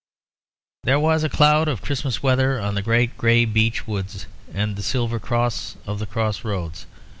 There was a cloud of Christmas weather on the great grey beech woods and the silver cross of the cross roads.